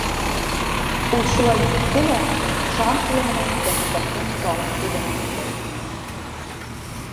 Ул шулай итте лә: бушаған ҡулы менән сәңгелдәктең бауын өҙә тартты.